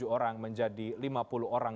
tujuh orang menjadi lima puluh orang